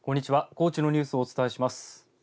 高知のニュースをお伝えします。